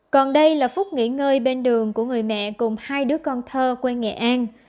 còn đây là phúc nghỉ ngơi bên đường của người mẹ cùng hai đứa con thơ quê nghệ an